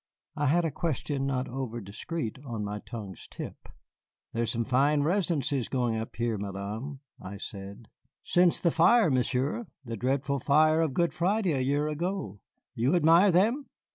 I had a question not over discreet on my tongue's tip. "There are some fine residences going up here, Madame," I said. "Since the fire, Monsieur, the dreadful fire of Good Friday a year ago. You admire them?"